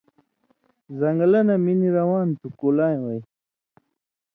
زن٘گلہ نہ منی روان تُھو کُلائ وَیں